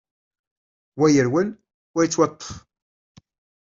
Wa yerwel, wa yettwaṭṭef.